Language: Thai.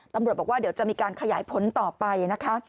ตำรวจบอกว่าเดี๋ยวจะมีการขยายผลต่อไปนะคะ